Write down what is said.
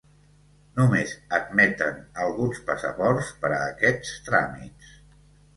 Només admeten alguns passaports per a aquests tràmits.